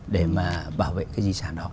để mà bảo vệ cái di sản đó